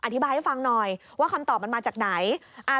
อธิบายให้ฟังหน่อยว่าคำตอบมันมาจากไหน